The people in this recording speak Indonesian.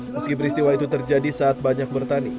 meski peristiwa itu terjadi saat banyak bertani